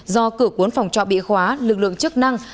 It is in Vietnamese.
do cửa cuốn phòng trọ bị khóa lực lượng chức năng